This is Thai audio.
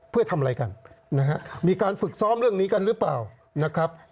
เพื่อทำอะไรกันมีการฝึกซ้อมเรื่องนี้กันหรือเปล่า